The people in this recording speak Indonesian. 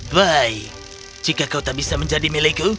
baik jika kau tak bisa menjadi milikku